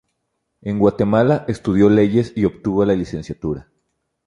En Guatemala estudió leyes y obtuvo la licenciatura.